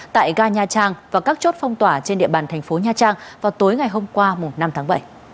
tại ga nha trang và các chốt phong tỏa trên địa bàn thành phố nha trang vào tối ngày hôm qua năm tháng bảy